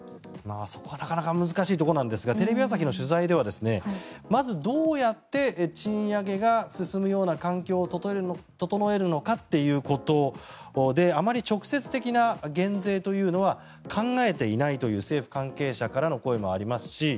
そこはなかなか難しいところなんですがテレビ朝日の取材ではまず、どうやって賃上げが進むような環境を整えるのかということであまり直接的な減税というのは考えていないという政府関係者からの声もありますし